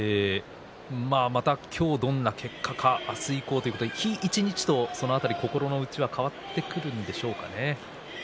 また今日どんな結果か明日以降ということで日一日と心の内は変わってくるんでしょうかね。